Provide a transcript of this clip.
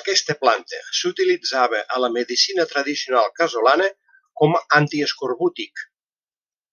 Aquesta planta s'utilitzava a la medicina tradicional casolana com a antiescorbútic.